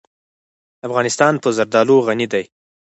افغانستان په زردالو غني دی.